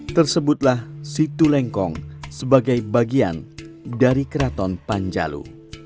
tersebutlah situlengkong sebagai bagian dari keraton panjalu